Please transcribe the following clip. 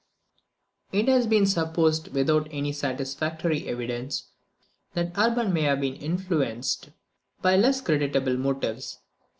It has been supposed, without any satisfactory evidence, that Urban may have been influenced by less creditable motives.